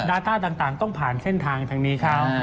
ต้าต่างต้องผ่านเส้นทางทางนี้เขา